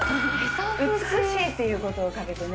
美しいということをかけてね。